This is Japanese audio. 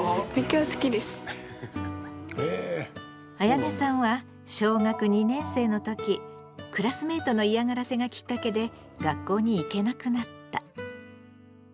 あやねさんは小学２年生の時クラスメートの嫌がらせがきっかけで学校に行けなくなった。